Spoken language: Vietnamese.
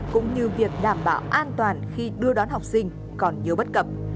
cũng như việc đảm bảo an toàn khi đưa đón học sinh còn nhiều bất cập